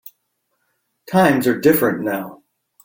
Times are different now.